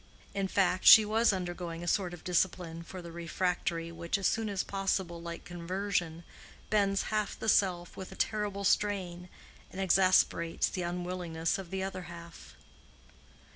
In fact, she was undergoing a sort of discipline for the refractory which, as little as possible like conversion, bends half the self with a terrible strain, and exasperates the unwillingness of the other half.